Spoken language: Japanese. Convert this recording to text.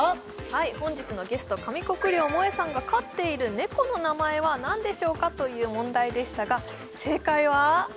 はい本日のゲスト上國料萌衣さんが飼っている猫の名前はなんでしょうか？という問題でしたが正解は？